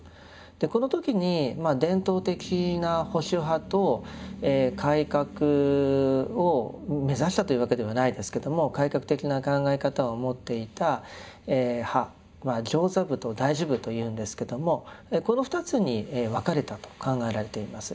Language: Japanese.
この時に伝統的な保守派と改革を目指したというわけではないですけど改革的な考え方を持っていた派上座部と大衆部というんですけどもこの２つに分かれたと考えられています。